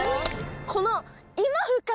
この。